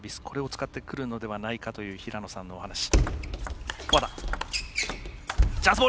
これを使ってくるのではないかという平野さんのお話。